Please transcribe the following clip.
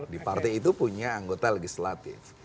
di partai itu punya anggota legislatif